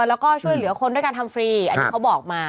แล้วก็ช่วยเหลือคนด้วยการทำฟรีอันนี้เขาบอกมา